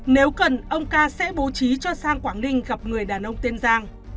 nếu cần ông ca sẽ bố trí cho sang quảng ninh gặp người đàn ông tiên giang